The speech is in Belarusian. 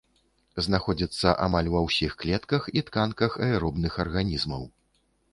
Знаходзіцца амаль ва ўсіх клетках і тканках аэробных арганізмаў.